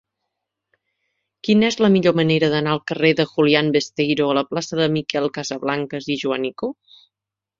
Quina és la millor manera d'anar del carrer de Julián Besteiro a la plaça de Miquel Casablancas i Joanico?